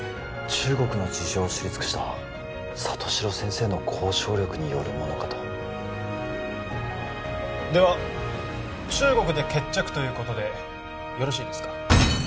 中国の事情を知り尽くした里城先生の交渉力によるものかとでは中国で決着ということでよろしいですか？